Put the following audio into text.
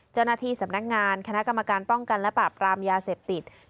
เจ้าหน้าที่สำนักงานคณะกรรมการป้องกันและปราบปรามยาเสพติด